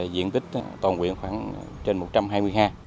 diện tích toàn quyện khoảng trên một trăm hai mươi ha